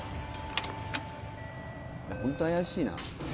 ホント怪しいな。